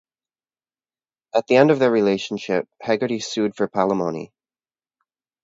At the end of their relationship, Hegarty sued for palimony.